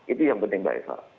itu yang penting mbak eva